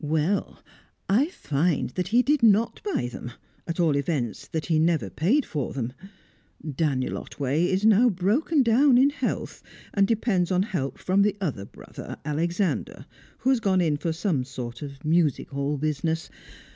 Well, I find that he did not buy them at all events that he never paid for them. Daniel Otway is now broken down in health, and depends on help from the other brother, Alexander, who has gone in for some sort of music hall business!